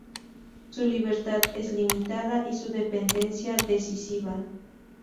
Su libertad es limitada y su dependencia decisiva.